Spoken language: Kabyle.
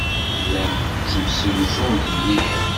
Llant ttemsegzunt mliḥ.